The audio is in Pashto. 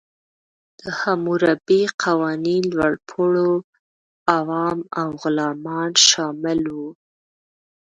د حموربي قوانین لوړپوړو، عوام او غلامان شامل وو.